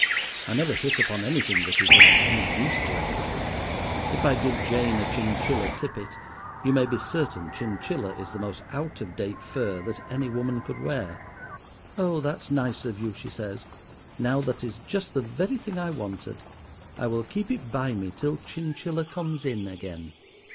I never hit upon anything that is of any use to anybody. If I give Jane a chinchilla tippet, you may be certain chinchilla is the most out of date fur that any woman could wear. 'Oh! that is nice of you,' she says; 'now that is just the very thing I wanted. I will keep it by me till chinchilla comes in again.